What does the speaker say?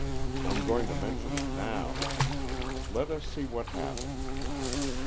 I'm going to mention it now. Let us see what happened. Mrs.